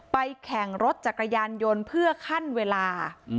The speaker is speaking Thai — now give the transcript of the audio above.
แข่งรถจักรยานยนต์เพื่อขั้นเวลา